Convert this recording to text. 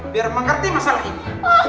biar mengerti masalah ini